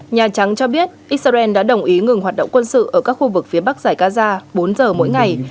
nhà trắng cho biết israel đã đồng ý ngừng hoạt động quân sự ở các khu vực phía bắc giải gaza bốn giờ mỗi ngày